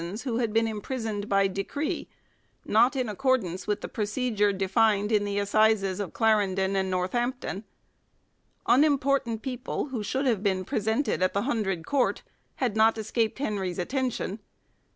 VEL PER LEGEM TERRAE 115 who had been imprisoned by decree, not in accordance with the procedure defined in the assizes of Clarendon and Northampton. Unimportant people who should have been presented at the hundred court had not escaped Henry's attention.